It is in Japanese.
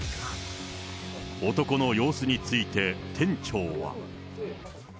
男の様子について、店長は。